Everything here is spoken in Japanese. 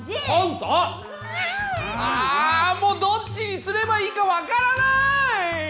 あもうどっちにすればいいかわからない！